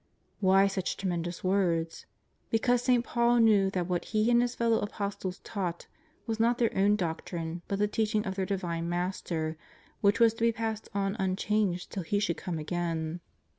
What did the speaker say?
Why such tremendous w^ords? Because St. Paul knew that what he and his fellow Apostles taught was not their own doctrine, but the teaching of their Divine Master, which was to be passed on unchanged t ill He should come again.